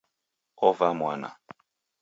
Ovaa mwana